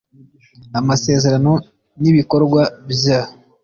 Amasezerano n ibikorwa bya